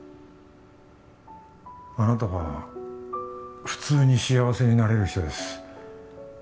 あなたは普通に幸せになれる人です